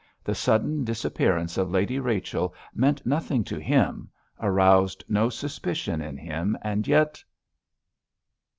The sudden disappearance of Lady Rachel meant nothing to him, aroused no suspicion in him, and yet...